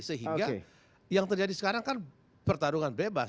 sehingga yang terjadi sekarang kan pertarungan bebas